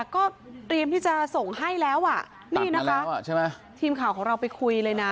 ก็เตรียมที่จะส่งให้แล้วอ่ะนี่นะคะทีมข่าวของเราไปคุยเลยนะ